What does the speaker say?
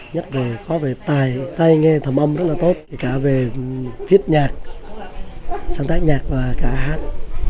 nhất về tài nghe thầm âm rất là tốt cả về viết nhạc sáng tác nhạc và cả hát